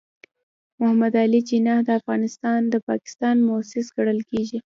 محمد علي جناح د پاکستان مؤسس ګڼل کېږي.